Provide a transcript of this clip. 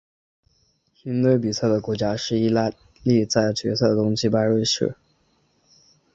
赢得比赛的国家是意大利在决赛中击败瑞士。